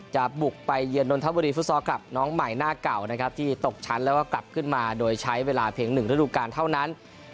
จะบุกไปเยือนนทบุรีฟุตซอลคลับน้องใหม่หน้าเก่านะครับที่ตกชั้นแล้วก็กลับขึ้นมาโดยใช้เวลาเพียง๑ฤดูการเท่านั้น